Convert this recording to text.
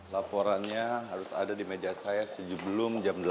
laporannya harus ada di meja saya sebelum jam delapan